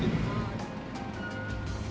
makanya agak kembalanya agak lama sedikit